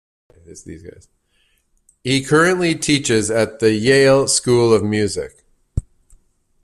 He currently teaches at the Yale School of Music.